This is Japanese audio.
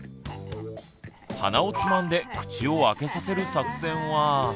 鼻をつまんで口を開けさせる作戦は。